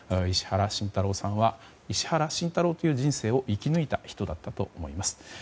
石原慎太郎さんは石原慎太郎という人生を生き抜いた人だったと思います。